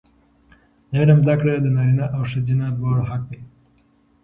د علم زده کړه د نارینه او ښځینه دواړو حق دی.